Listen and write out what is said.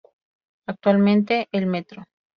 Actualmente, el Mtro.